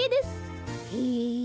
へえ。